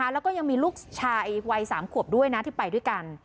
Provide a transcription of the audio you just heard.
แล้วก็ยังมีลูกชายวัย๓ขวบด้วยนะที่ไปด้วยกัน